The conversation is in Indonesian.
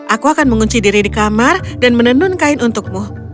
aku akan mengunci diri di kamar dan menenun kain untukmu